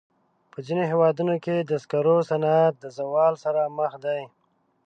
په ځینو هېوادونو کې د سکرو صنعت د زوال سره مخ دی.